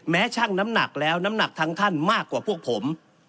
ช่างน้ำหนักแล้วน้ำหนักทั้งท่านมากกว่าพวกผม